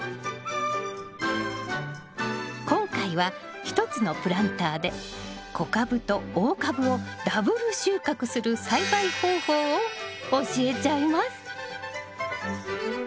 今回は１つのプランターで小株と大株をダブル収穫する栽培方法を教えちゃいます。